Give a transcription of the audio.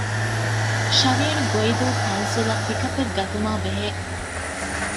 ށ. ގޮއިދޫ ކައުންސިލަށް ޕިކަޕެއް ގަތުމާ ބެހޭ